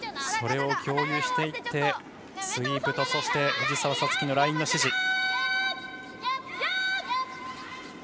それを共有していってスイープと藤澤五月のラインの指示。